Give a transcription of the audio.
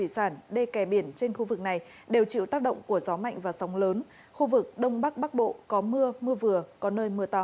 xin chào các bạn